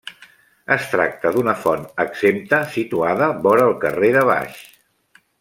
Es tracta d'una font exempta situada vora el carrer de Baix.